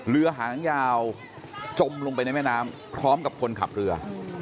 เรือหางยาวจมลงไปในแม่น้ำพร้อมกับคนขับเรือ